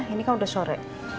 ini kan udah sore